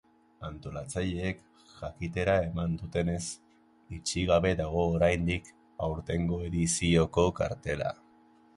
Antolatzaileek jakitera eman dutenez, itxi gabe dago oraindik aurtengo edizioko kartela.